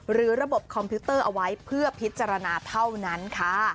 ระบบคอมพิวเตอร์เอาไว้เพื่อพิจารณาเท่านั้นค่ะ